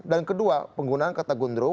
dan kedua penggunaan kata gendero